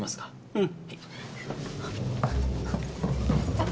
うん。